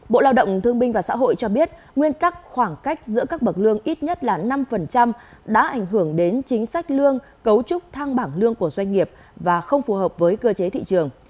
bộ lao động thương binh và xã hội cho biết nguyên tắc khoảng cách giữa các bậc lương ít nhất là năm đã ảnh hưởng đến chính sách lương cấu trúc thang bảng lương của doanh nghiệp và không phù hợp với cơ chế thị trường